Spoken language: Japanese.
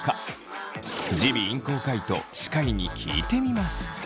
耳鼻咽喉科医と歯科医に聞いてみます。